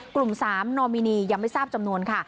กลุ่ม๓นอมินียังไม่ทราบจำนวนค่ะ